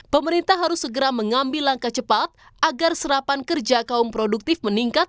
pemerintah harus segera mengambil langkah cepat agar serapan kerja kaum produktif meningkat